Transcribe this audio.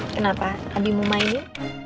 kenapa abimu mainnya